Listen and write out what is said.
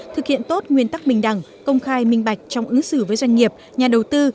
thực hiện tốt nguyên tắc bình đẳng công khai minh bạch trong ứng xử với doanh nghiệp nhà đầu tư